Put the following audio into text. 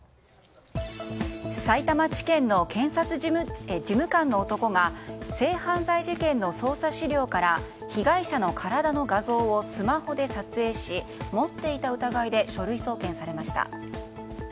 さいたま地検の検察事務官の男が性犯罪事件の捜査資料から被害者の体の画像をスマホで撮影し持っていた疑いで書類送検されました。